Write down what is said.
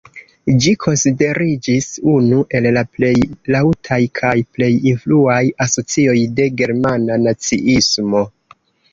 Ĝi konsideriĝis unu el la plej laŭtaj kaj plej influaj asocioj de germana naciismo.